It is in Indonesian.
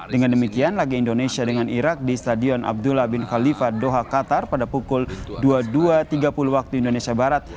dengan demikian laga indonesia dengan irak di stadion abdullah bin khalifa doha qatar pada pukul dua puluh dua tiga puluh waktu indonesia barat